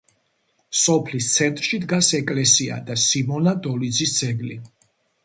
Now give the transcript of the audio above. სოფლის ცენტრში დგას ეკლესია და სიმონა დოლიძის ძეგლი.